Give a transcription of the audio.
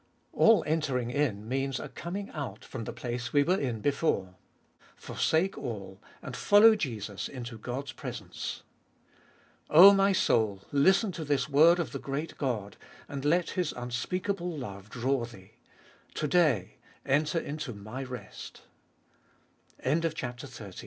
4. All entering in means a coming out from the place we were in before. Forsake all, and follow Jesus into God's presence. 5. 0 my soul, listen to this word of the great God, and let His unspeakable loue draw thee— To day, en